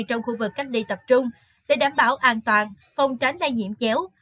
trong khu vực cách ly tập trung để đảm bảo an toàn phòng tránh lây nhiễm chéo